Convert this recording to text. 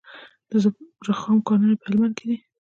د رخام کانونه په هلمند کې دي